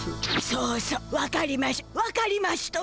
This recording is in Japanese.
そうそうわかりましゅわかりましゅとも！